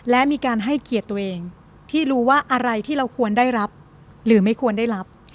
และมีการให้เกียรติตัวเองที่รู้ว่าอะไรที่เราควรได้รับหรือไม่ควรได้รับ